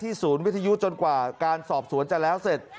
ศูนย์วิทยุจนกว่าการสอบสวนจะแล้วเสร็จ